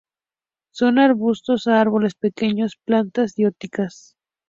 Son arbustos a árboles pequeños; plantas dioicas.